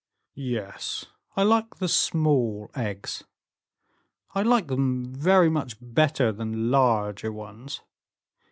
"Yes, I like the small eggs; I like them very much better than larger ones.